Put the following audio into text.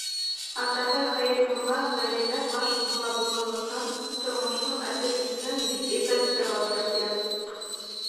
Атаһы Хәйернурға, ғаиләлә баш бала булғанлыҡтан, тормоштоң әсе-сөсөһөн бик иртә татырға тура килә.